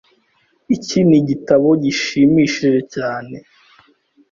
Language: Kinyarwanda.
Iki ni igitabo gishimishije cyane.